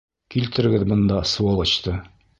Килтерегеҙ бында сволочты!